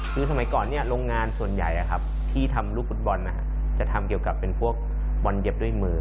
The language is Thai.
คือสมัยก่อนโรงงานส่วนใหญ่ที่ทำลูกฟุตบอลจะทำเกี่ยวกับเป็นพวกบอลเย็บด้วยมือ